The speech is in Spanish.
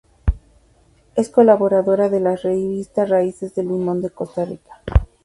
Es colaboradora de la revista Raíces de Limón de Costa Rica.